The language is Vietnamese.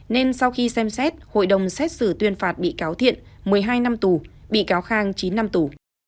nên sau khi xem xét hội đồng xét xử tuyên phạt bị cáo thiện một mươi hai năm tù bị cáo khang chín năm tù